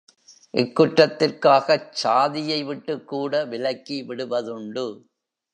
இக் குற்றத்திற்காகச் சாதியை விட்டுக்கூட விலக்கி விடுவதுண்டு.